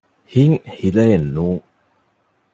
ހިތް ހިލައެއް ނޫން